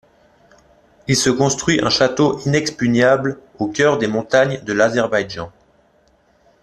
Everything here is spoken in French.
Il se construit un château inexpugnable, au cœur des montagnes de l'Azerbaïdjan.